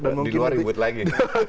di luar ribut lagi